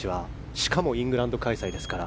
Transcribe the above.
しかもイングランド開催ですから。